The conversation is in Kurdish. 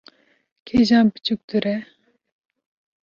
Kîjan biçûktir e?